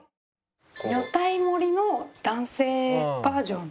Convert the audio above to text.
女体盛りの男性バージョン。